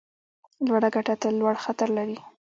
لوړه ګټه تل لوړ خطر لري.